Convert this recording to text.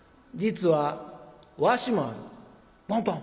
「実はわしもある」。